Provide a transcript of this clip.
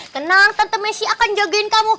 tenang tante messi akan jagain kamu